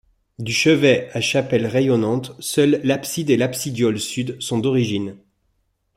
Du chevet à chapelles rayonnantes, seule l'abside et l'absidiole sud sont d'origine.